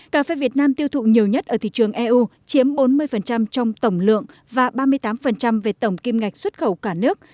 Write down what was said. cà phê việt nam tiêu thụ nhiều nhất ở thị trường eu chiếm bốn mươi trong tổng lượng và ba mươi tám về tổng kim ngạch xuất khẩu cả nước